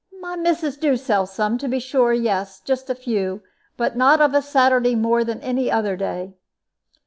"My missus do sell some, to be sure; yes, just a few. But not of a Saturday more than any other day."